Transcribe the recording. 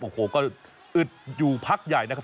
โอ้โหก็อึดอยู่พักใหญ่นะครับ